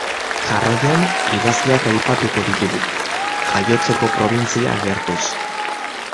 Jarraian, idazleak aipatuko ditugu, jaiotzeko probintzia agertuz.